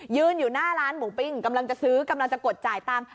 ยืนอยู่หน้าร้านหมูปิ้งกำลังจะซื้อกำลังจะกดจ่ายตังค์